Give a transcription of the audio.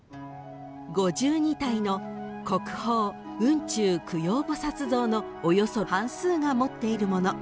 ［５２体の国宝雲中供養菩薩像のおよそ半数が持っているもの。